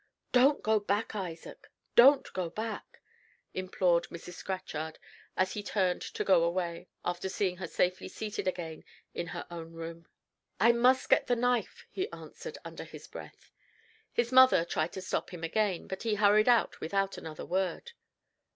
"Don't go back, Isaac don't go back!" implored Mrs. Scatchard, as he turned to go away, after seeing her safely seated again in her own room. "I must get the knife," he answered, under his breath. His mother tried to stop him again, but he hurried out without another word.